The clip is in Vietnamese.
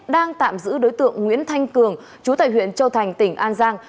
đang tạm giữ đối tượng nguyễn thanh cường chú tại huyện châu thành tỉnh an giang